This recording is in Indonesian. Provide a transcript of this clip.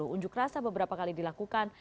unjuk rasa beberapa kali dilakukan